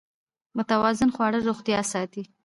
متوازن خواړه روغتیا ساتي.